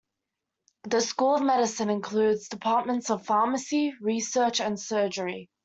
The School of Medicine includes departments of Pharmacy, Research, and Surgery.